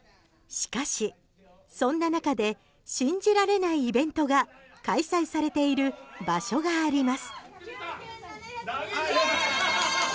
しかし、そんな中で信じられないイベントが開催されている場所があります。